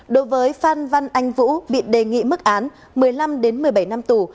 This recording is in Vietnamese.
đối với phan văn anh vũ bị đề nghị mức án một mươi năm một mươi bảy năm tù